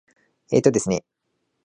えーとですね。